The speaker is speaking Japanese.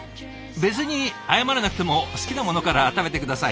別に謝らなくても好きなものから食べて下さい。